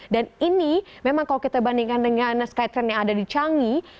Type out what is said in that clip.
dan ini memang kalau kita bandingkan dengan skytrain yang ada di canggi